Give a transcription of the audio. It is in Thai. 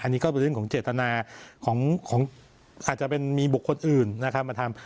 อันนี้ก็เป็นเรื่องของเจตนาของอาจจะเป็นมีบุคคลอื่นนะครับมาทำ